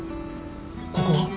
ここは？